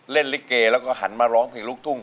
เล่นลิเกแล้วก็หันมาร้องเพลงลูกทุ่ง